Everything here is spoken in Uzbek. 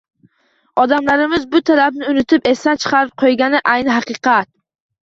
Odamlarimiz bu talabni unutib, esdan chiqarib qoʻygani - ayni haqiqat.